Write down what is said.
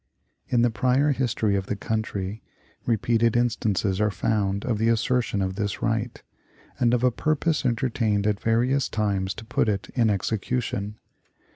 In the prior history of the country, repeated instances are found of the assertion of this right, and of a purpose entertained at various times to put it in execution.